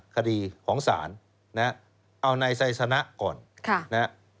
คดีของศาลเอาในใส่สนะก่อน